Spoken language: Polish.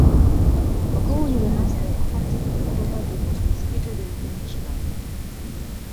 "Około jedenastej Ochocki odprowadził Wokulskiego do jego mieszkania."